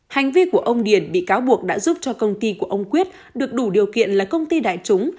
hành vi của ông điền bị cáo buộc đã giúp cho công ty của ông quyết được đủ điều kiện là công ty đại chúng